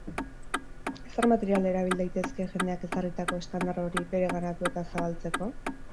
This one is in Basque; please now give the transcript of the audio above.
Zer material erabil daitezke jendeak ezarritako estandar hori bereganatu eta zabaltzeko?